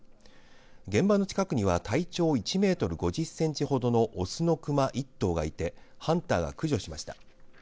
現場の近くには体長１メートル５０センチほどの雄の熊１頭がいてハンターが駆除しました。